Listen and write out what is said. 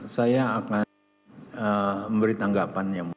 saya akan memberi tanggapan yang mulia